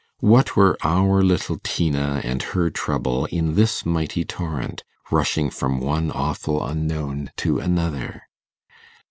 What were our little Tina and her trouble in this mighty torrent, rushing from one awful unknown to another?